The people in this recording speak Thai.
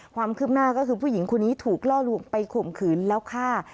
ความคืบหน้าก็คือผู้หญิงคนนี้ถูกล่อลวงไปข่มขืนแล้วฆ่า